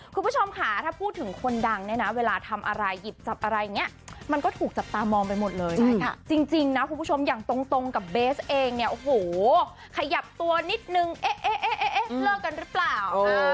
คุณผู้ชมค่ะถ้าพูดถึงคนดังเนี่ยนะเวลาทำอะไรหยิบจับอะไรอย่างนี้มันก็ถูกจับตามองไปหมดเลยใช่ค่ะจริงนะคุณผู้ชมอย่างตรงกับเบสเองเนี่ยโอ้โหขยับตัวนิดนึงเอ๊ะเลิกกันหรือเปล่า